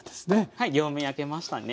はい両面焼けましたね。